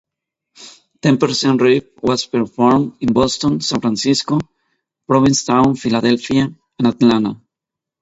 "Ten Percent Revue" was performed in Boston, San Francisco, Provincetown, Philadelphia, and Atlanta.